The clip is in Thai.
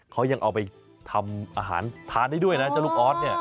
เขายังเอาไปทำอาหารทานได้ด้วยนะเจ้าลูกออสเนี่ย